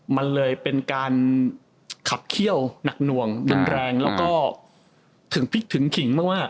มันเลยเป็นการขับเขี้ยวหนักหน่วงรุนแรงแล้วก็ถึงพลิกถึงขิงมาก